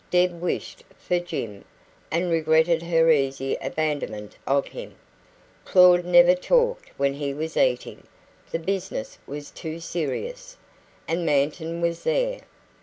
Deb wished for Jim, and regretted her easy abandonment of him; Claud never talked when he was eating the business was too serious, and Manton was there.